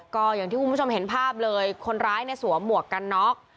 ก็อย่างที่คุณผู้ชมเห็นภาพเลยคนร้ายเนี่ยสวมหมวกกันน็อก